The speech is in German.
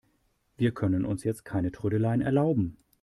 Wir können uns jetzt keine Trödeleien erlauben.